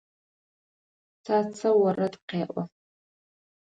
Цацэ орэд къеӏо.